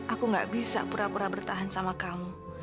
aku gak bisa pura pura bertahan sama kamu